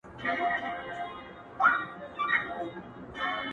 له دېوالونو یې رڼا پر ټوله ښار خپره ده،